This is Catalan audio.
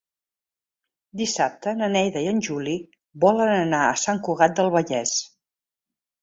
Dissabte na Neida i en Juli volen anar a Sant Cugat del Vallès.